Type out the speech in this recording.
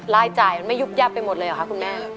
รายจ่ายมันไม่ยุบยับไปหมดเลยเหรอคะคุณแม่